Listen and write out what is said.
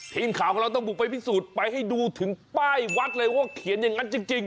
ทีมข่าวของเราต้องบุกไปพิสูจน์ไปให้ดูถึงป้ายวัดเลยว่าเขียนอย่างนั้นจริง